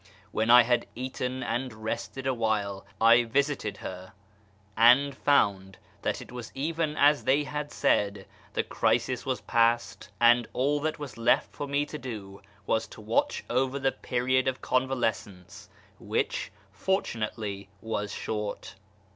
When I had eaten and rested a while, I visited her, and found that it was even as they had said : the crisis was past, and all that was left for me to do was to watch over the period of convalescence, which, fortunately, was short.